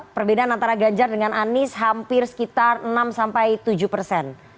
perbedaan antara ganjar dengan anies hampir sekitar enam sampai tujuh persen